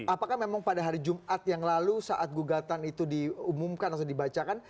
apakah memang pada hari jumat yang lalu saat gugatan itu diumumkan atau dibacakan